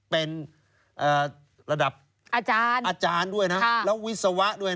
เป็นระดับอาจารย์ด้วยนะแล้ววิศวะด้วย